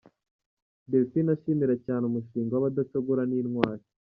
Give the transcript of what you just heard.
Delphine ashimira cyane umushinga w'Abadacogora n'Intwari.